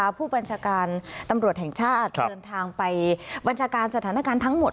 ไมมาพูดบรรชการตำรวจแทนชาติตื่นทางไปบรรชการสถานการณ์ทั้งหมด